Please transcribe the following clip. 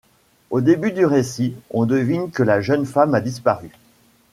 Au début du récit, on devine que la jeune femme a disparu.